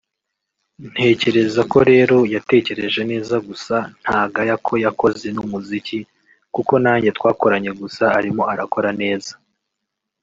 ntekereza ko rero yatekereje neza gusa ntagaya ko yakoze n’umuziki kuko nanjye twarakoranye gusa arimo arakora neza